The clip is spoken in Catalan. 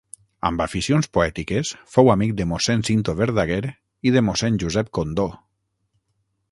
Amb aficions poètiques, fou amic de Mossèn Cinto Verdaguer i de Mossèn Josep Condó.